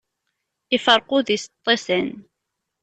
Iferreq udi s ṭṭisan.